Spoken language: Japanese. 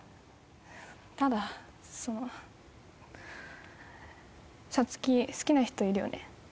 ただそのさつき好きな人いるよね？